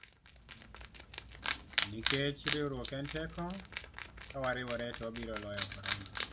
Nikech riwruok en teko, kawariwore to wabiro loyo korona.